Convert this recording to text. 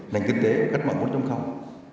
nền kinh tế cách mạng của chống không